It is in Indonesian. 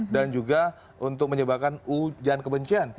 dan juga untuk menyebabkan hujan kebencian